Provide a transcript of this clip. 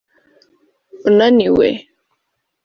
unaniwe